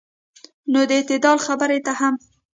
نو د اعتدال خبرې ته هم